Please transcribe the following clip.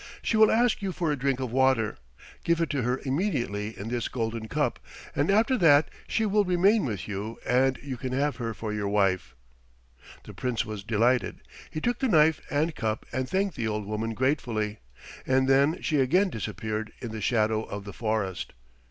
She will ask you for a drink of water. Give it to her immediately in this golden cup, and after that she will remain with you and you can have her for your wife." The Prince was delighted. He took the knife and cup and thanked the old woman gratefully, and then she again disappeared in the shadow of the forest.